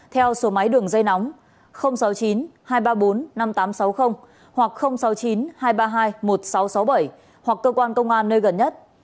theo số máy đường dây nóng sáu mươi chín hai trăm ba mươi bốn năm nghìn tám trăm sáu mươi hoặc sáu mươi chín hai trăm ba mươi hai một nghìn sáu trăm sáu mươi bảy hoặc cơ quan công an nơi gần nhất